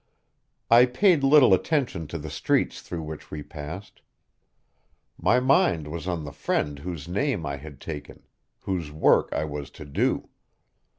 I paid little attention to the streets through which we passed. My mind was on the friend whose name I had taken, whose work I was to do.